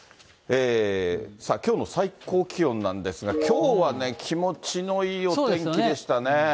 きょうの最高気温なんですが、きょうはね、気持ちのいいお天気でしたね。